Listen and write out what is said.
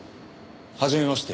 はじめまして